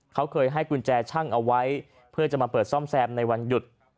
เขาเคยให้กุญแจช่างเอาไว้เพื่อจะมาเปิดซ่อมแซมในวันหยุด